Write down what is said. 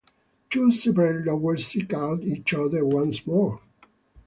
Two separated lovers seek out each other once more.